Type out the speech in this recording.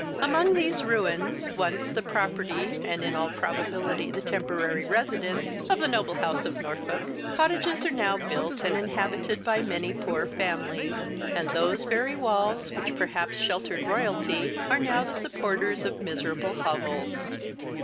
Among these ruins, once the property, and, in all probability, the temporary residence, of the noble house of Norfolk, cottages are now built, and inhabited by many poor families, and those very walls, which perhaps sheltered royalty, are now the supporters of miserable hovels.